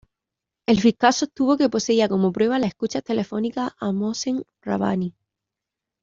El fiscal sostuvo que poseía, como prueba, las escuchas telefónicas a Mohsen Rabbani.